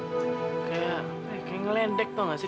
kayak kayak ngelendek tahu nggak sih